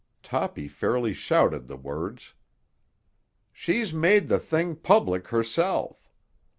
Toppy fairly shouted the words. "She's made the thing public herself.